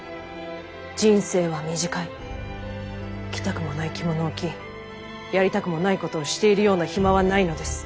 人生は短い着たくもない着物を着やりたくもないことをしているような暇はないのです。